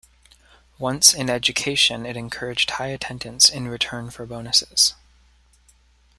Once in education it encouraged high attendance in return for bonuses.